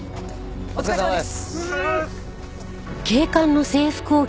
お疲れさまです。